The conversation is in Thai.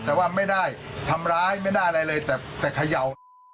แต่ว่าไม่ได้ทำร้ายไม่ได้อะไรเลยแต่เขย่า